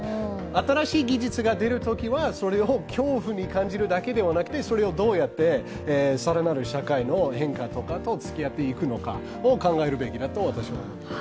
新しい技術が出るときは、それを恐怖に感じるだけでなくてそれをどうやって更なる社会の変化などとつきあっていくのかを考えるべきだと私は思います。